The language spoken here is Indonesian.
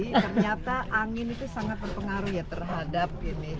ternyata angin itu sangat berpengaruh ya terhadap ini